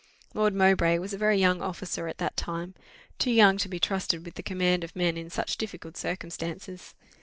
Lord Mowbray was a very young officer at that time, too young to be trusted with the command of men in such difficult circumstances.